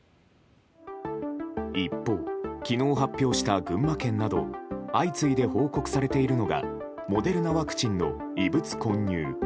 一方、昨日発表した群馬県など相次いで報告されているのがモデルナワクチンの異物混入。